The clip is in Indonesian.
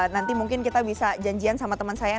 nanti mungkin kita bisa janjian sama teman saya yang sebentar lagi